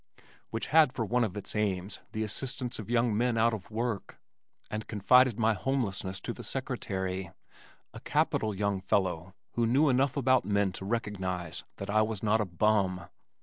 (which had for one of its aims the assistance of young men out of work) and confided my homelessness to the secretary, a capital young fellow who knew enough about men to recognize that I was not a "bum."